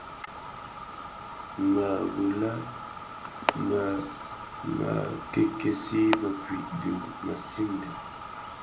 Mërèli më mè kèkèsi mëpuid dhi mësinden.